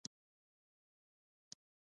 ډاکټر باید څنګه وي؟